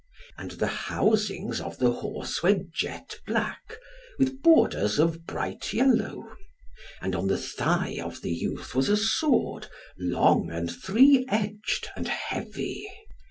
And the housings of the horse were jet black, with borders of bright yellow. And on the thigh of the youth was a sword, long, and three edged, and heavy.